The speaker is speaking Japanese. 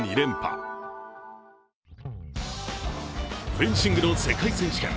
フェンシングの世界選手権。